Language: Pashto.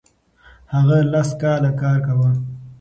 هغه لس کاله کار کاوه.